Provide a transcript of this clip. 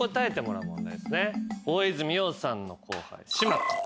大泉洋さんの後輩島君。